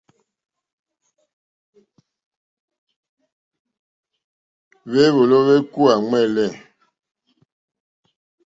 Hwéwòló hwékúwà ɱwɛ̂lɛ̂.